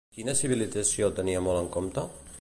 Quina civilització el tenia molt en compte?